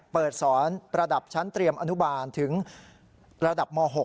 เปิดสอนระดับชั้นเตรียมอนุบาลถึงระดับม๖